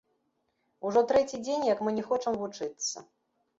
Ужо трэці дзень, як мы не хочам вучыцца.